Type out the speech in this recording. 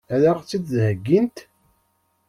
Ad ɣ-tt-id-heggint?